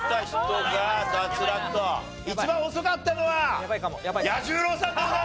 一番遅かったのは彌十郎さんでございます。